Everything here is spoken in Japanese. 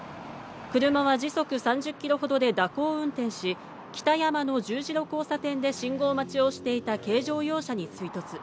車は時速３０キロほどで蛇行運転し、北山の十字路交差点で信号待ちをしていた軽乗用車に追突。